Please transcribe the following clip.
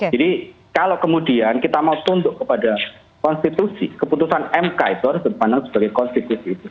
jadi kalau kemudian kita mau tunduk kepada konstitusi keputusan mk itu harus dipandang sebagai konstitusi